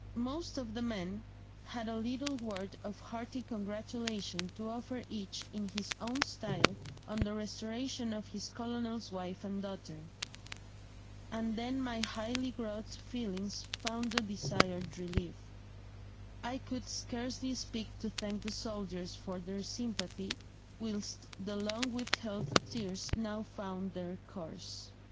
Most of the men had a little word of hearty congratulation to offer each in his own style on the restoration of his colonel's wife and daughter; and then my highly wrought feelings found the desired relief; I could scarcely speak to thank the soldiers for their sympathy, whilst the long withheld tears now found their course."